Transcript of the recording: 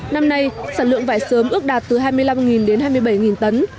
năm nay sản lượng vải sớm ước đạt từ hai mươi năm đến hai mươi bảy tấn